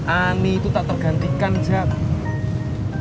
ani itu tak tergantikan jawab